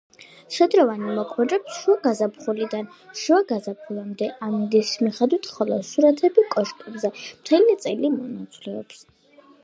შადრევანი მოქმედებს შუა გაზაფხულიდან შუა ზაფხულამდე ამინდის მიხედვით, ხოლო სურათები კოშკებზე მთელი წელი მონაცვლეობს.